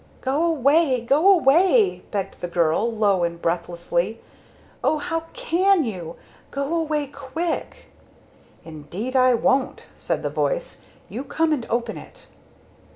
"Go away! Go away!" begged the girl, low and breathlessly. "Oh how can you! Go away quick!" "Indeed, I won't!" said the voice. "You come and open it."